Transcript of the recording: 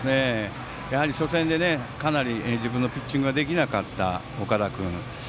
やはり、初戦でかなり自分のピッチングができなかった岡田君。